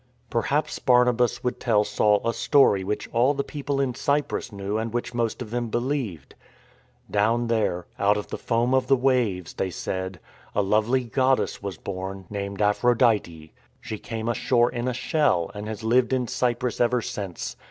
Perhaps Barnabas would tell Saul a story which all the people in Cyprus knew and which most of them believed. Down there, out of the foam of the waves (they said), a lovely goddess was born, named Aphrodite. She came ashore in a shell and has lived in Cyprus ever since.